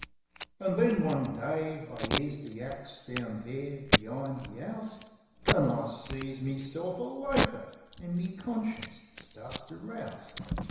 An' then, one day, I 'ears the axe down there be'ind the 'ouse ; An' I sees meself a loafer, an' me conscience starts to rouse.